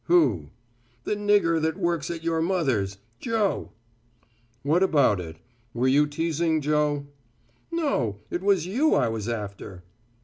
"Who?" "The nigger that works at your mother's Joe." "What about it? Were you teasing Joe?" "No, it was you I was after."